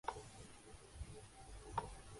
معرفت کی دوسری سطح "سائنٹیفک معرفت" ہے۔